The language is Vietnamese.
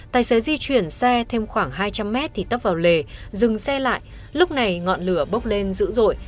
tài xế di chuyển xe thêm khoảng hai trăm linh mét thì tấp vào lề dừng xe lại lúc này ngọn lửa bốc lên dữ dội